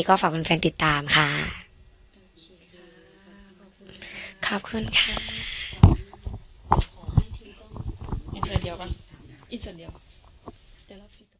ก็ฝากแฟนแฟนติดตามค่ะขอบคุณค่ะ